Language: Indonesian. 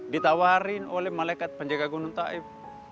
ditawarin oleh malaikat penjaga gunung taib